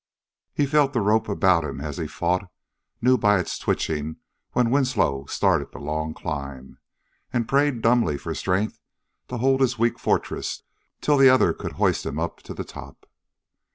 He felt the rope about him as he fought, knew by its twitching when Winslow started the long climb, and prayed dumbly for strength to hold his weak fortress till the other could hoist himself up to the top.